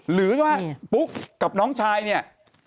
หรือว่าปุ๊กกับน้องชายเนี่ย